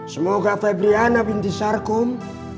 semoga febriana binti sarkum